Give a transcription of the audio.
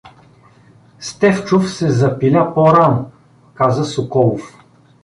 Стефчов се запиля по-рано — каза Соколов.